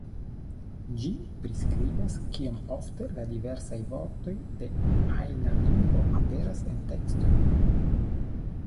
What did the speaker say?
Ĝi priskribas kiom ofte la diversaj vortoj de ajna lingvo aperas en tekstoj.